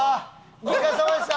お疲れさまでした。